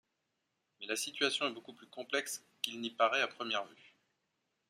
Mais la situation est beaucoup plus complexe qu'il n'y paraît à première vue.